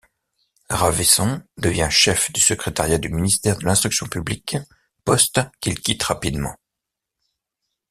Ravaisson devient chef du secrétariat du ministère de l'Instruction publique, poste qu'il quitte rapidement.